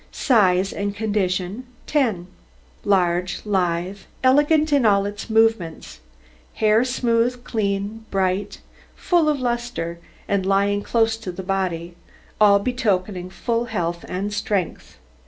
SIZE AND CONDITION 10 Large, lithe, elegant in all its movements; hair smooth, clean, bright, full of lustre, and lying close to the body, all betokening full health and strength.